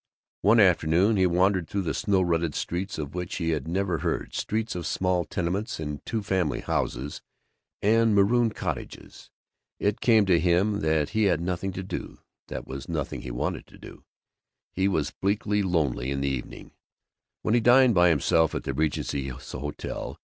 One afternoon he wandered through snow rutted streets of which he had never heard, streets of small tenements and two family houses and marooned cottages. It came to him that he had nothing to do, that there was nothing he wanted to do. He was bleakly lonely in the evening, when he dined by himself at the Regency Hotel.